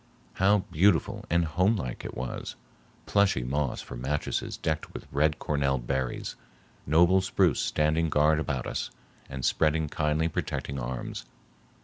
How beautiful and homelike it was! plushy moss for mattresses decked with red corner berries, noble spruce standing guard about us and spreading kindly protecting arms.